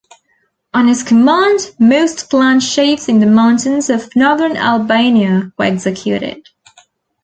On his command most clan chiefs in the mountains of northern Albania were executed.